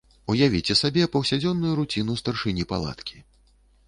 Уявіце сябе паўсядзённую руціну старшыні палаткі.